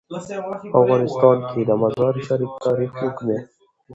په افغانستان کې د مزارشریف تاریخ اوږد دی.